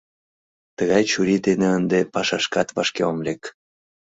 Тыгай чурий дене ынде пашашкат вашке ом лек.